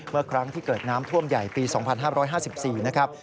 เมื่อครั้งที่เกิดน้ำท่วมใหญ่ปี๒๕๕๔นะครับ